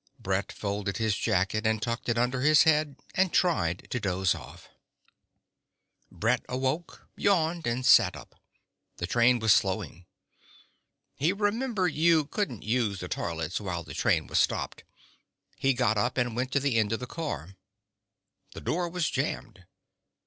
Brett folded his jacket and tucked it under his head and tried to doze off.... Brett awoke, yawned, sat up. The train was slowing. He remembered you couldn't use the toilets while the train was stopped. He got up and went to the end of the car. The door was jammed.